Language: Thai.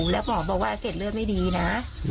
แล้วหมอบอกว่าเกร็ดเลือดไม่ดีนะ